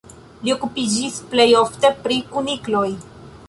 Li okupiĝis plej ofte pri kunikloj.